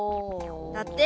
だって。